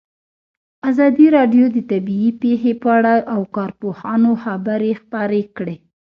ازادي راډیو د طبیعي پېښې په اړه د کارپوهانو خبرې خپرې کړي.